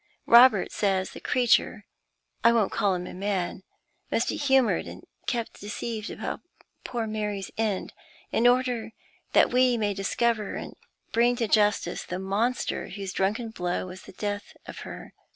Robert says the creature I won't call him a man must be humored and kept deceived about poor Mary's end, in order that we may discover and bring to justice the monster whose drunken blow was the death of her.